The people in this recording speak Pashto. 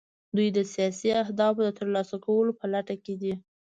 دوی د سیاسي اهدافو د ترلاسه کولو په لټه کې دي